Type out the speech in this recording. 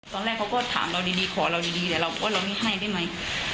ตอนแรกเขาก็ถามเราดีขอเราดีแต่เราว่าเราไม่ให้ได้ไหม